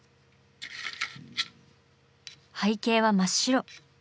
背景は真っ白。